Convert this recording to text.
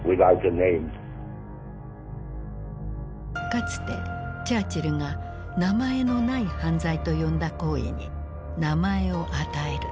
かつてチャーチルが「名前のない犯罪」と呼んだ行為に名前を与える。